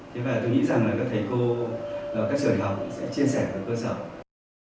thế bây giờ tôi nghĩ rằng các thầy cô và các trường đại học sẽ chia sẻ về cơ sở